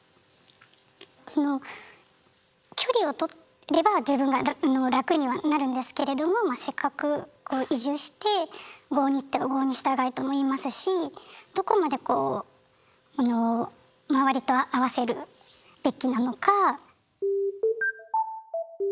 その距離をとれば自分が楽にはなるんですけれどもまあせっかくこう移住して「郷に入っては郷に従え」とも言いますしどこまでこう周りと合わせるべきなのか。